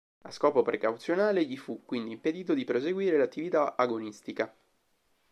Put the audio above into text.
A scopo precauzionale gli fu quindi impedito di proseguire l'attività agonistica.